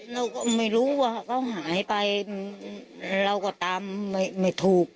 เราก็ไม่รู้ว่าเขาหายไปเราก็ตามไม่ถูก